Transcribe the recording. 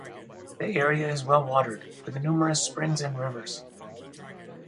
The area is well watered, with numerous springs and rivers.